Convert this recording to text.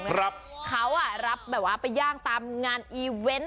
ครับเขารับไปย่างตามงานอีเว้นต์